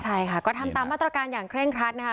ใช่ค่ะก็ทำตามมาตรการอย่างเคร่งครัดนะคะ